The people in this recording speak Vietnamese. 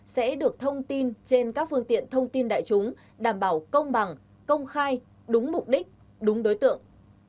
sẽ được thông tin trên các phương tiện thông tin đại chúng đảm bảo công bằng công khai đúng mục đích đúng đối tượng